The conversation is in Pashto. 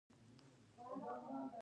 یوه ورځ هغه حیران پاتې شو.